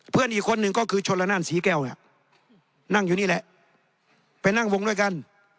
เพื่อนอีกคนหนึ่งก็คือชนละนั่นศรีแก้วเนี่ยนั่งอยู่นี่แหละไปนั่งวงด้วยกัน